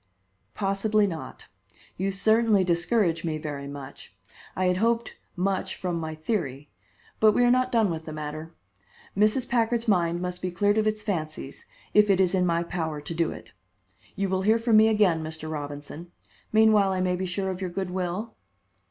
"Possibly not. You certainly discourage me very much. I had hoped much from my theory. But we are not done with the matter. Mrs. Packard's mind must be cleared of its fancies, if it is in my power to do it. You will hear from me again, Mr. Robinson. Meanwhile, I may be sure of your good will?"